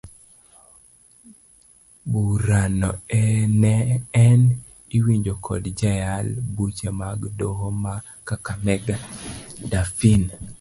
Burano en iwinjo kod jayal buche mar doho ma kakamega Daphne.